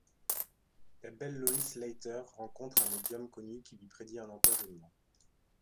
La belle Lois Latter rencontre un médium connu qui lui prédit un empoisonnement.